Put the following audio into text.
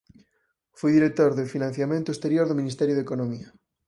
Foi director de financiamento exterior do Ministerio de Economía.